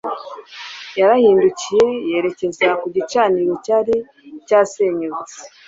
yarahindukiye yerekeza ku gicaniro cyari cyarasenyutse